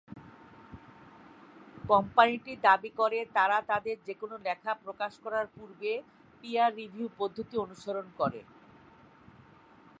কোম্পানিটি দাবি করে তারা তাদের যেকোন লেখা প্রকাশ করার পূর্বে পিয়ার রিভিউ পদ্ধতি অনুসরণ করে।